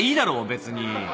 別に。